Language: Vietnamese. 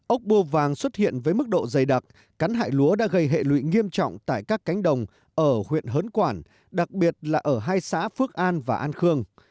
ốc bưa vàng xuất hiện với mức độ dày đặc cắn hại lúa đã gây hệ lụy nghiêm trọng tại các cánh đồng ở huyện hớn quản đặc biệt là ở hai xã phước an và an khương